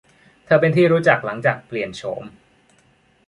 เธอเป็นที่รู้จักหลังจากเปลี่ยนโฉม